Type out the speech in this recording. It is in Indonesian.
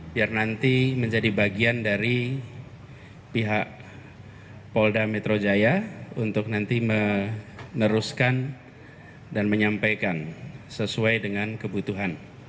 biar nanti menjadi bagian dari pihak polda metro jaya untuk nanti meneruskan dan menyampaikan sesuai dengan kebutuhan